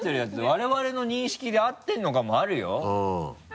我々の認識で合ってるのかもあるよ。